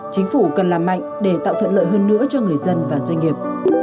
chính phủ cần làm mạnh để tạo thuận lợi hơn nữa cho người dân và doanh nghiệp